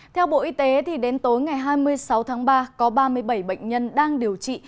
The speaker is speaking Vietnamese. theo bộ y tế đến tối ngày hai mươi sáu tháng ba có ba mươi bảy bệnh nhân đang điều trị